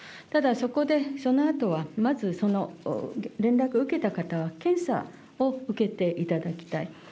ただそこで、そのあとはまずその、連絡を受けた方は検査を受けていただきたい。